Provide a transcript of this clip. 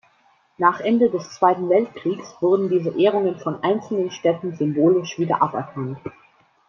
Nach Ende des Zweiten Weltkriegs wurden diese Ehrungen von einzelnen Städten symbolisch wieder aberkannt.